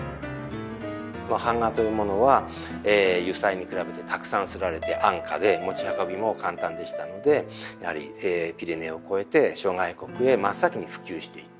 版画というものは油彩に比べてたくさん刷られて安価で持ち運びも簡単でしたのでやはりピレネーを越えて諸外国へ真っ先に普及していった。